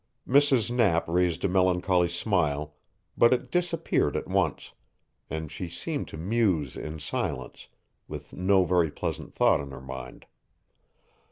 Mrs. Knapp raised a melancholy smile, but it disappeared at once, and she seemed to muse in silence, with no very pleasant thought on her mind.